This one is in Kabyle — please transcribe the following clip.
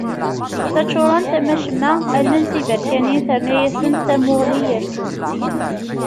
D taččurant am wacemma, allen d tiberkanin terna-asent tamuɣli yersen.